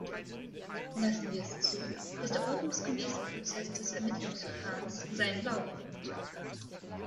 Lassen wir es zu, dass der ordnungsgemäße Prozess des Ermittlungsverfahrens seinen Lauf nimmt.